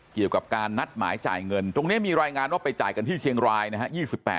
เกี่ยวกับการนัดหมายจ่ายเงินตรงนี้มีรายงานว่าไปจ่ายกันที่เชียงรายนะฮะ